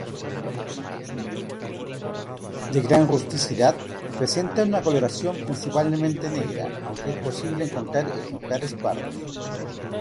De gran rusticidad, presenta una coloración principalmente negra, aunque es posible encontrar ejemplares pardos.